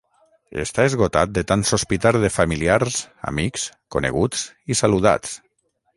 Està esgotat de tant sospitar de familiars, amics, coneguts i saludats.